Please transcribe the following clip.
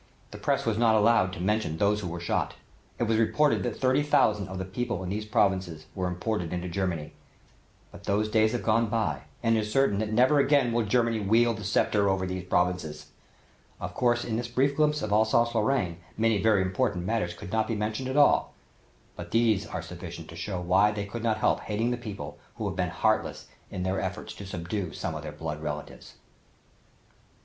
The press was not allowed to mention those who were shot. It was reported that thirty thousand of the people in these provinces were imported into Germany. But those days have gone by and it is certain that never again will Germany wield the sceptre over these provinces. Of course in this brief glimpse of Alsace Lorraine many very important matters could not be mentioned at all, but these are sufficient to show why they could not help hating the people who have been heartless in their effort to subdue some of their blood relatives.